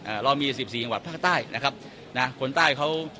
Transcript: เรามีสิบสี่จังหวัดภาคใต้นะครับนะคนใต้เขา